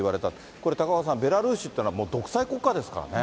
これ、高岡さん、ベラルーシというのはもう独裁国家ですからね。